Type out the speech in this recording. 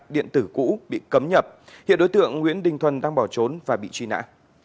điện tử cũ bị cấm nhập hiện đối tượng nguyễn đình thuần đang bỏ trốn và bị truy nã